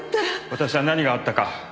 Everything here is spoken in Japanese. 私は何があったか